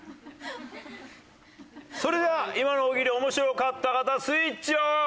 それでは今の大喜利面白かった方スイッチオン！